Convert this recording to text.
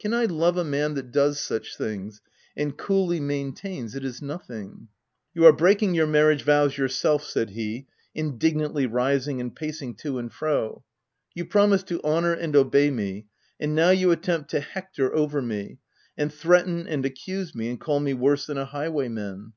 Can I love a man that does such things, and coolly maintains it is nothing ?" (i You are breaking your marriage vows your self/' said he, indignantly rising and pacing to and fro. $t You promised to honour and obey me, and now you attempt to hector over me, and threaten and accuse me and call me worse than a highwaymen.